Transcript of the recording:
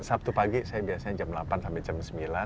sabtu pagi saya biasanya jam delapan sampai jam sembilan